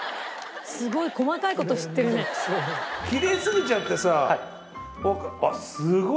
きれいすぎちゃってさあっすごい。